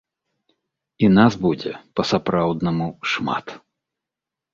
І нас будзе па-сапраўднаму шмат!